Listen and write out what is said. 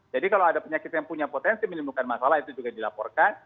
jadi kalau ada penyakit yang punya potensi menimbulkan masalah itu juga dilaporkan